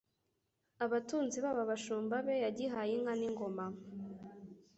Abatunzi baba abashumba be Yagihaye inka n'ingoma